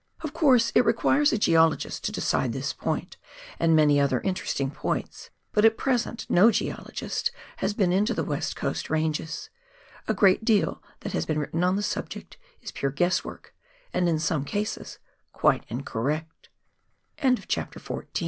Of course it requires a geologist to decide this point, and many other interesting points, but at present no geologist has been into the West Coast Ranges ; a great deal that has been written on the subject is pure guess work and in some cases quite incorrec